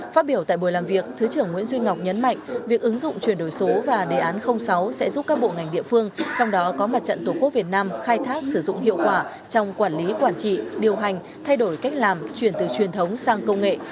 phát biểu tại buổi làm việc thứ trưởng nguyễn duy ngọc nhấn mạnh việc ứng dụng chuyển đổi số và đề án sáu sẽ giúp các bộ ngành địa phương trong đó có mặt trận tổ quốc việt nam khai thác sử dụng hiệu quả trong quản lý quản trị điều hành thay đổi cách làm chuyển từ truyền thống sang công nghệ